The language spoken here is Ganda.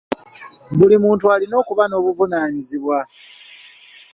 Buli muntu alina okuba n'obuvunaanyizibwa.